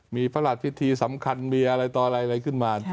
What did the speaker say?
มีพระราชพิธีสำคัญมีอะไรต่ออะไรอะไรขึ้นมา